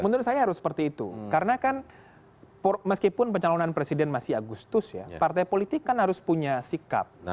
menurut saya harus seperti itu karena kan meskipun pencalonan presiden masih agustus ya partai politik kan harus punya sikap